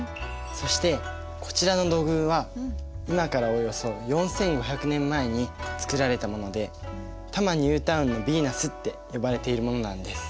そしてこちらの土偶は今からおよそ４，５００年前に作られたもので多摩ニュータウンのヴィーナスって呼ばれているものなんです。